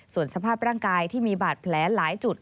ส่วนสภาพร่างกายที่มีบาดแผลหลายจุด